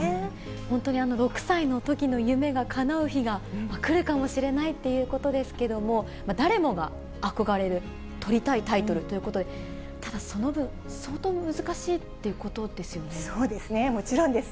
本当に６歳のときの夢がかなう日が来るかもしれないということですけれども、誰もが憧れる、取りたいタイトルということで、ただその分、相当難しいっていうそうですね、もちろんです。